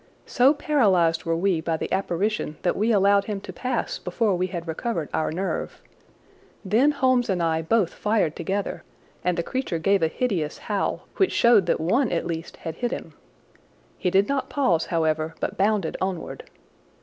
So paralyzed were we by the apparition that we allowed him to pass before we had recovered our nerve. Then Holmes and I both fired together, and the creature gave a hideous howl, which showed that one at least had hit him. He did not pause, however, but bounded onward.